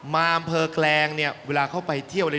อำเภอแกลงเนี่ยเวลาเข้าไปเที่ยวอะไร